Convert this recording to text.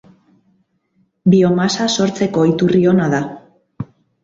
Biomasa sortzeko iturri ona da.